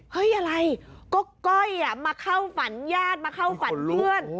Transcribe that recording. อะไรก็ก้อยมาเข้าฝันญาติมาเข้าฝันเพื่อน